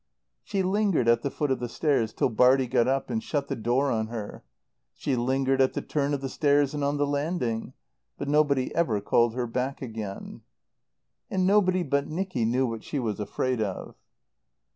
She lingered at the foot of the stairs till Bartie got up and shut the door on her. She lingered at the turn of the stairs and on the landing. But nobody ever called her back again. And nobody but Nicky knew what she was afraid of.